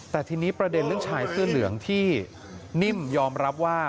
แต่ทีนี้ประเด็นเรื่องชายเสื้อเหลืองที่นิ่มยอมรับว่า